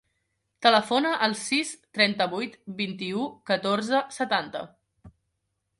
Telefona al sis, trenta-vuit, vint-i-u, catorze, setanta.